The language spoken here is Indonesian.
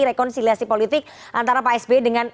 rekonsiliasi politik antara pak sby dengan